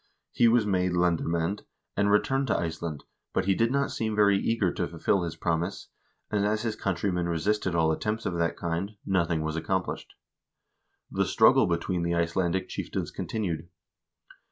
He was made lendermand, and returned to Iceland, but he did not seem very eager to fulfill his promise, and as his countrymen resisted all attempts of that kind, nothing was accomplished. The struggle between the Icelandic chieftains continued.